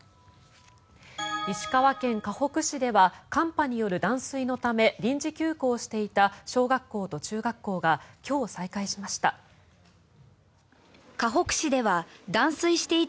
石川県かほく市では寒波による断水のため臨時休校していた小学校と中学校が今日、再開しました。